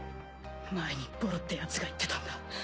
前にボロってヤツが言ってたんだ。